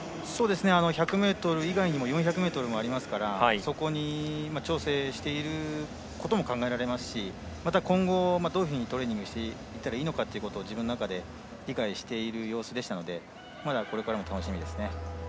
１００ｍ以外にも４００ｍもあるのでそこに調整していることも考えられますし、今後どういうふうにトレーニングしたらいいか自分の中で理解している様子でしたのでまだこれからも楽しみです。